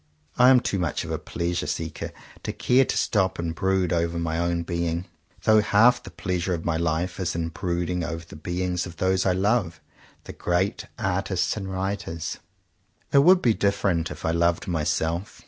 I am too much of a pleasure seeker to care to stop and brood over my own being; though half the pleasure of my life is in brooding over the beings of those I love — the great artists and writers. It would be different if I loved myself.